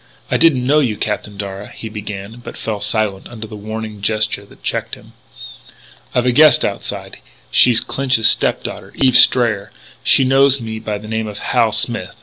"I didn't know you, Captain Darragh " he began, but fell silent under the warning gesture that checked him. "I've a guest outside. She's Clinch's step daughter, Eve Strayer. She knows me by the name of Hal Smith.